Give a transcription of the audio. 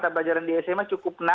pelajaran di sma cukup enam